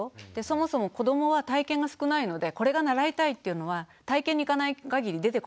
そもそも子どもは体験が少ないのでこれが習いたいっていうのは体験に行かない限り出てこない。